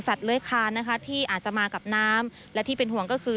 สัตว์เลิฮคานที่อาจจะมากับน้ำและที่เป็นห่วงก็คือ